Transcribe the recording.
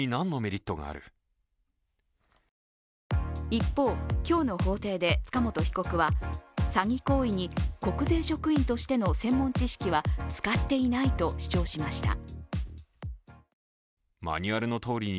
一方、今日の法廷で塚本被告は詐欺行為に国税職員としての専門知識は使っていないと主張しました。